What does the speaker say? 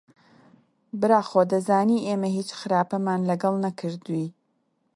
برا خۆ دەزانی ئێمە هیچ خراپەمان لەگەڵ نەکردووی